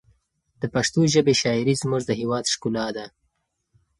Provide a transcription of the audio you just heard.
د پښتو ژبې شاعري زموږ د هېواد ښکلا ده.